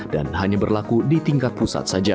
dan hanya berlaku di tingkat pusat saja